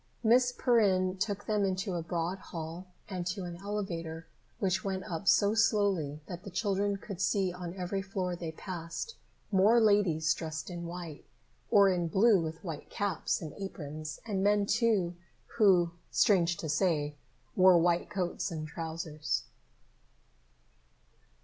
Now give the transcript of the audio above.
Miss Perrin took them into a broad hall and to an elevator which went up so slowly that the children could see on every floor they passed, more ladies dressed in white, or in blue with white caps and aprons, and men, too, who, strange to say, wore white coats and trousers.